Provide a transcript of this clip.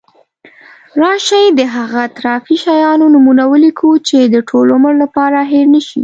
راشي د هغه اطرافي شیانو نومونه ولیکو چې د ټول عمر لپاره هېر نشی.